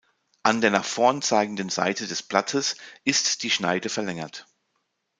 An der nach vorn zeigenden Seite des Blattes ist die Schneide verlängert.